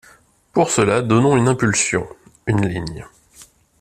Pour cela, donnons une impulsion, une ligne.